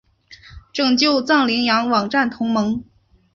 拯救藏羚羊网站同盟